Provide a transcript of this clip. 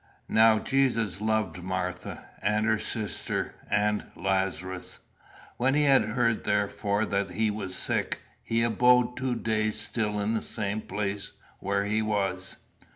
"'Now Jesus loved Martha, and her sister, and Lazarus. When he had heard therefore that he was sick, he abode two days still in the same place where he was.